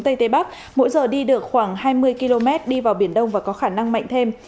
tây tây bắc mỗi giờ đi được khoảng hai mươi km đi vào biển đông và có khả năng mạnh thêm